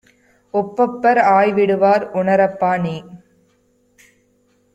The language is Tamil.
ஒப்பப்பர் ஆய்விடுவார் உணரப்பாநீ!